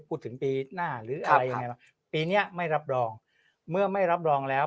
ปีหน้าหรืออะไรยังไงปีนี้ไม่รับรองเมื่อไม่รับรองแล้ว